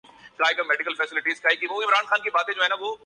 کون جانے کسی کے عشق کا راز